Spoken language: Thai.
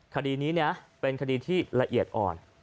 คดีนี้เป็นคดีที่ละเอียดอ่อน